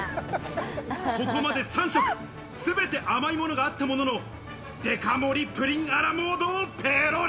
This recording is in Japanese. ここまで３食、すべて甘いものがあったものの、デカ盛りプリンアラモードをペロリ。